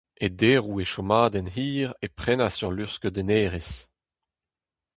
E deroù e chomadenn hir e prenas ul luc'hskeudennerez.